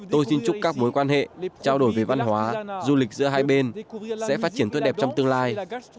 tôi xin chúc các mối quan hệ trao đổi về văn hóa du lịch giữa hai bên sẽ phát triển tốt đẹp trong tương lai